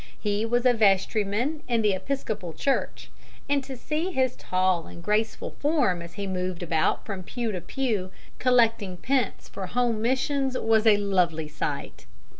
He was a vestryman in the Episcopal Church; and to see his tall and graceful form as he moved about from pew to pew collecting pence for Home Missions, was a lovely sight.